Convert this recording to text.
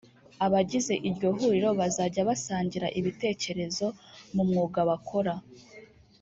Abagize iryo huriro bazajya basangira ibitekerezo mu mwuga bakora